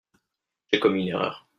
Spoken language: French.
J'ai commis une erreur.